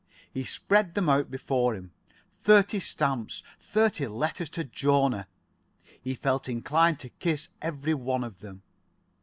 He spread them out before him. Thirty stamps. Thirty letters to Jona. He felt inclined to kiss every one of them.